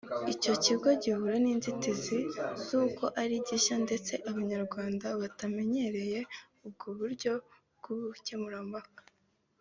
Icyo kigo gihura n’inzitizi z’uko ari gishya ndetse Abanyarwanda batamenyereye ubwo buryo bw’ubukemurampaka